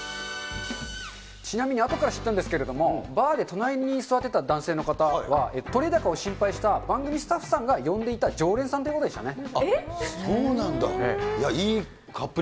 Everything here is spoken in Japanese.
ちなみにあとから知ったんですけれども、バーで隣に座ってた男性の方は撮れ高を心配した番組スタッフさんが呼んでいた常連さんということでしたね。